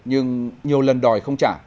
nhưng nhiều lần đòi không trả